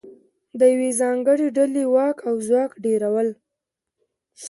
د یوې ځانګړې ډلې واک او ځواک ډېرول